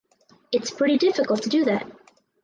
It’s pretty difficult to do that.